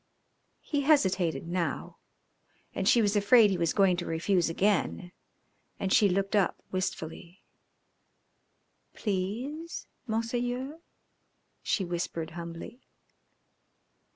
He hesitated now, and she was afraid he was going to refuse again, and she looked up wistfully. "Please, Monseigneur," she whispered humbly.